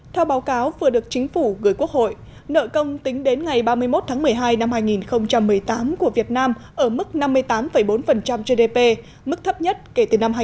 theo báo cáo vừa được chính phủ gửi quốc hội nợ công tính đến ngày ba mươi một tháng một mươi hai năm hai nghìn một mươi tám của việt nam ở mức năm mươi tám bốn gdp mức thấp nhất kể từ năm hai nghìn một mươi bảy